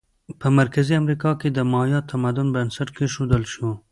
په مرکزي امریکا کې د مایا تمدن بنسټ کېښودل شو.